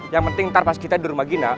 yang penting ntar pas kita di rumah gina